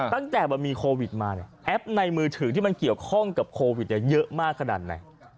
ตั้งแต่ว่ามีโควิดมาแอปในมือถือที่เกี่ยวข้องกับโควิดเยอะมากขนาดนั้น